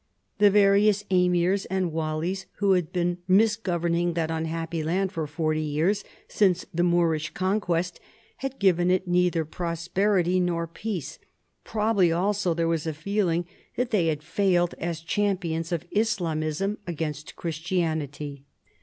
The various emirs and walls who had been misgoverning that unhappy land for forty years since the Moorish conquest, had given it neither prosperity nor peace ; probably also there was a feeling that they had failed as champions of Islamism against Christianity.